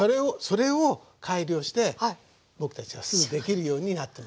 それを改良して僕たちがすぐできるようになってますから。